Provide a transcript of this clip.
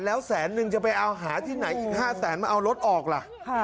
แล้วแสนนึงจะไปเอาหาที่ไหนอีก๕แสนมาเอารถออกล่ะ